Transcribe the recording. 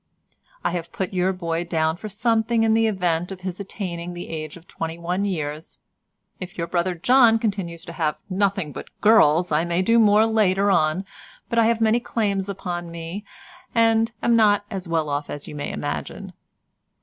"I have put your boy down for something in the event of his attaining the age of twenty one years. If your brother John continues to have nothing but girls I may do more later on, but I have many claims upon me, and am not as well off as you may imagine.